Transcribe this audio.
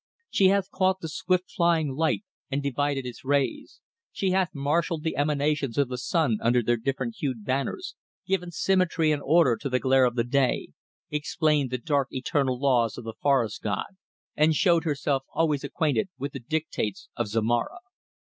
She hath caught the swift flying light and divided its rays; she hath marshalled the emanations of the sun under their different hued banners, given symmetry and order to the glare of day, explained the dark eternal laws of the Forest god, and showed herself always acquainted with the dictates of Zomara."